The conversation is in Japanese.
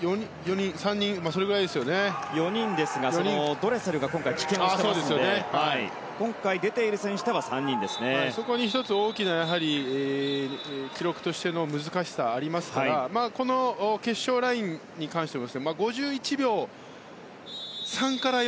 ４人ですが、ドレセルが今回、棄権をしていますので今回、出ている選手ではそこに大きな記録としての難しさがありますからこの決勝ラインに関しては５１秒３から４。